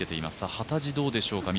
幡地はどうでしょうか。